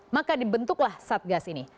maka dibentuklah satgas ini